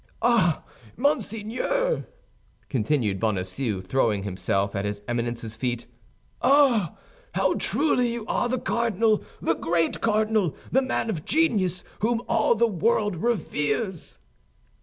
Ah, monseigneur!" continued Bonacieux, throwing himself at his Eminence's feet, "ah, how truly you are the cardinal, the great cardinal, the man of genius whom all the world reveres!"